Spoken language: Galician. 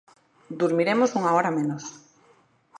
Durmiremos unha hora menos.